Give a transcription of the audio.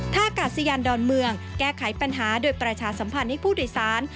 ท่ากาศยานดอนเมืองแก้ไขปัญหาโดยประชาสัมพันธ์ให้ผู้โดยสาร